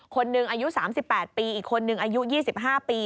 คนหนึ่งอายุ๓๘ปีอีกคนนึงอายุ๒๕ปี